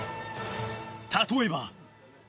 例えば。